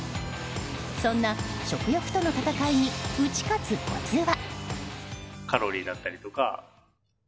そんな食欲との戦いに打ち勝つコツは？